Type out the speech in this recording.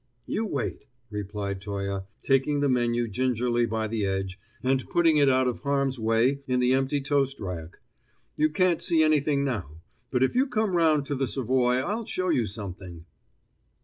"You wait," replied Hilton Toye, taking the menu gingerly by the edge, and putting it out of harm's way in the empty toast rack. "You can't see anything now, but if you come round to the Savoy I'll show you something."